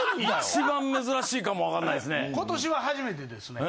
一番珍しいかも分かんないですね。